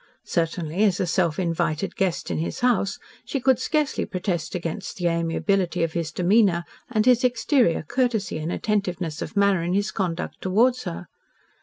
Certainly, as a self invited guest in his house, she could scarcely protest against the amiability of his demeanour and his exterior courtesy and attentiveness of manner in his conduct towards her.